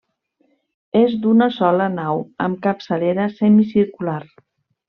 És d'una sola nau amb capçalera semicircular.